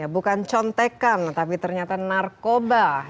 bukan contekan tapi ternyata narkoba